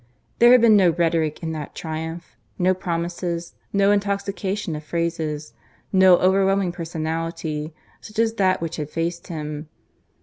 There had been no rhetoric in that triumph, no promises, no intoxication of phrases, no overwhelming personality such as that which had faced him.